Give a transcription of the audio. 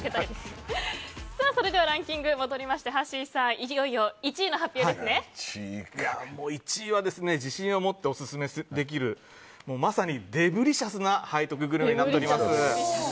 それではランキング戻りましてはっしーさん１位は自信を持ってオススメできるまさにデブリシャスな背徳グルメです。